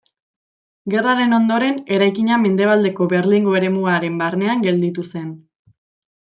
Gerraren ondoren eraikina Mendebaldeko Berlingo eremuaren barnean gelditu zen.